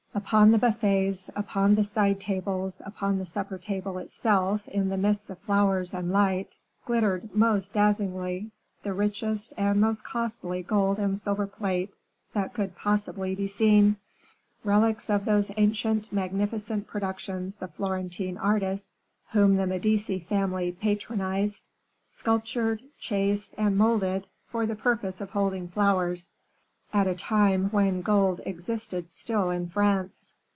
Upon the buffets, upon the side tables, upon the supper table itself, in the midst of flowers and light, glittered most dazzlingly the richest and most costly gold and silver plate that could possibly be seen relics of those ancient magnificent productions the Florentine artists, whom the Medici family patronized, sculptured, chased, and moulded for the purpose of holding flowers, at a time when gold existed still in France.